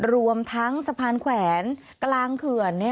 รวมทั้งสะพานแขวนกลางเขื่อน